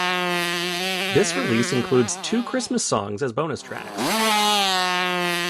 This release includes two Christmas songs as bonus tracks.